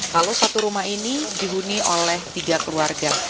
kalau satu rumah ini dihuni oleh tiga keluarga